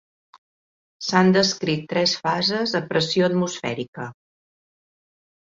S'han descrit tres fases a pressió atmosfèrica.